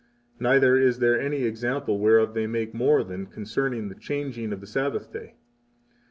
Neither is there any example whereof they make more than concerning the changing of the Sabbath day.